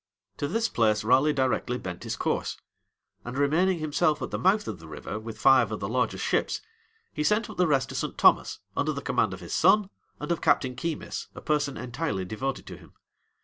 To this place Raleigh directly bent his course; and, remaining himself at the mouth of the river with five of the largest ships, he sent up the rest to St. Thomas, under the command of his son, and of Captain Keymis, a person entirely devoted to him.